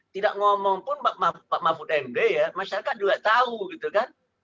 tidak ngomong pun pak mahfud md ya masyarakat juga tahu gitu kan